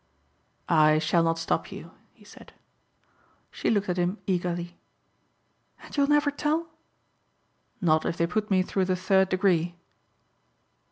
"I shall not stop you," he said. She looked at him eagerly. "And you'll never tell?" "Not if they put me through the third degree."